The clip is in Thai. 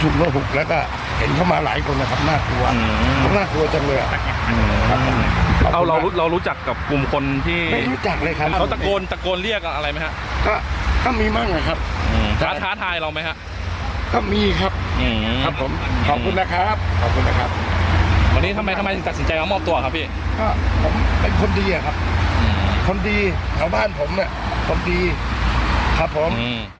ค่ะผมเป็นคนดีอะครับคนดีแถวบ้านผมเนี่ยคนดีครับผม